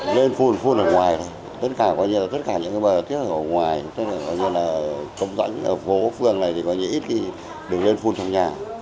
công doanh ở phố phương này thì có nghĩa là ít khi đừng lên phun trong nhà